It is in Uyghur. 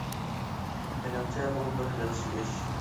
مېنىڭچە بۇ بىر ياخشى ئىش.